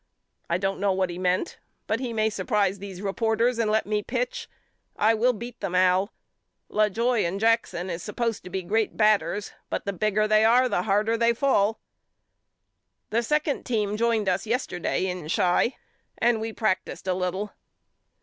I don't know what he meant but he may surprise these reporters and let me pitch. I will beat them Al. Lajoie and Jackson is supposed to be great batters but the bigger they are the harder they fall. A RUSHER'S LETTERS HOME 33 The second team joined us yesterday in Chi and we practiced a little.